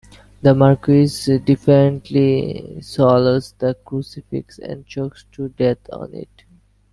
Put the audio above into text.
The Marquis defiantly swallows the crucifix and chokes to death on it.